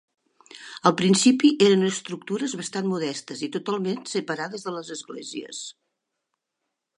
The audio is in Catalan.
Al principi eren estructures bastant modestes i totalment separades de les esglésies.